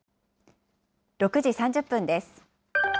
６時３０分です。